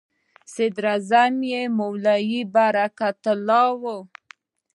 صدراعظم یې مولوي برکت الله و.